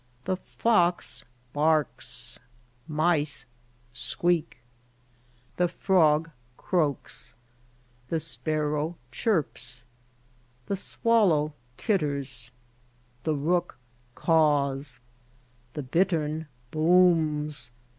The fox barks. Mice squeak. The frog croaks. The spar row chirps. The swal low twit ters. The rook caws. The bit tern booms.